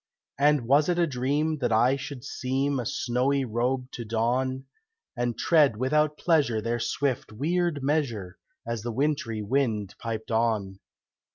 And was it a dream that I should seem A snowy robe to don, And tread without pleasure their swift, weird measure, As the wintry wind piped on.